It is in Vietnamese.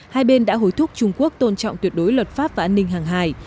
hai bên đã hối thúc trung quốc tôn trọng tuyệt đối luật pháp và an ninh hàng hài